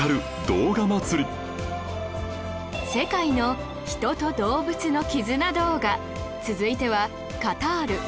動画祭り』世界の人と動物の絆動画続いては、カタール。